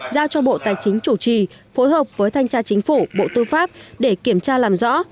giao cho bộ tài chính chủ trì phối hợp với thanh tra chính phủ bộ tư pháp để kiểm tra làm rõ